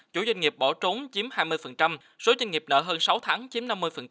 chủ doanh nghiệp bỏ trốn chiếm hai mươi số doanh nghiệp nợ hơn sáu tháng chiếm năm mươi